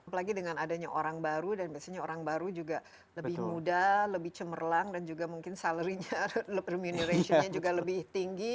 apalagi dengan adanya orang baru dan biasanya orang baru juga lebih muda lebih cemerlang dan juga mungkin salary nya remuneration nya juga lebih tinggi